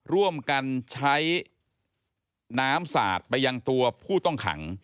ร่วมกันใช้น้ำสาดไปยังตัวผู้ต้องขัง